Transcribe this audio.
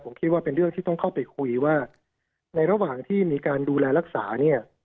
ผมคิดว่าเป็นเรื่องที่ต้องเข้าไปคุยว่าในระหว่างที่มีการดูแลรักษาเนี่ย